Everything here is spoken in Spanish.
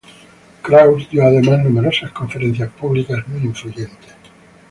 Kraus dio además numerosas conferencias públicas muy influyentes.